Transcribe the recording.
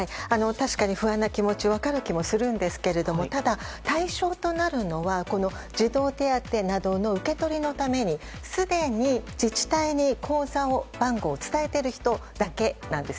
確かに不安な気持ち分かる気もするんですがただ、対象となるのは児童手当などの受け取りのためにすでに自治体に口座番号を伝えている人だけです。